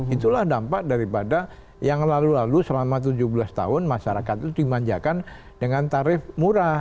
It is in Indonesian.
itulah dampak daripada yang lalu lalu selama tujuh belas tahun masyarakat itu dimanjakan dengan tarif murah